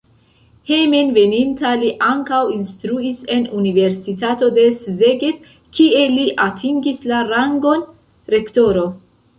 Hejmenveninta li ankaŭ instruis en universitato de Szeged, kie li atingis la rangon rektoro.